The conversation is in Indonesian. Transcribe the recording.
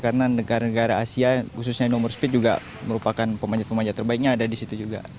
karena negara negara asia khususnya nomor speed juga merupakan pemaja pemaja terbaiknya ada di situ juga